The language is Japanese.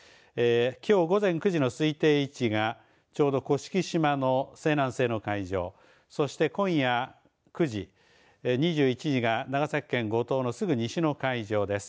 きょう午前９時の推定位置がちょうど甑島の西南西の海上そして今夜９時２１時が長崎県五島のすぐ西の海上です。